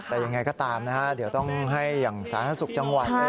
แต่ยังไงก็ตามนะฮะเดี๋ยวต้องให้อย่างสาธารณสุขจังหวัดเลย